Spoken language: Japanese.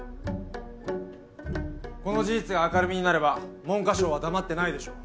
この事実が明るみになれば文科省は黙ってないでしょう。